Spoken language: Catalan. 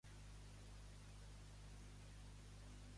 T'agreixo que hagis escrit aquesta novel·la.